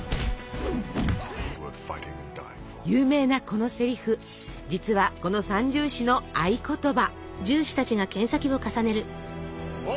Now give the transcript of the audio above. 有名なこのせりふ実はこの三銃士の合言葉。